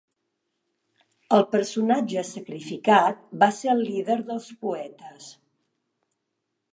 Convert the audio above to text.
El personatge sacrificat va ser el líder dels poetes.